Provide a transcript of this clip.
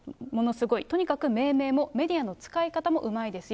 とにかく命名もメディアの使い方もうまいですよ。